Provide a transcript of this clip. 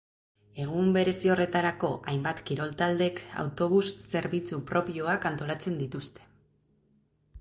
Egun berezi horretarako hainbat kirol taldek autobus-zerbitzu propioak antolatzen dituzte.